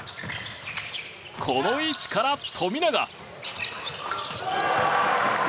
この位置から富永。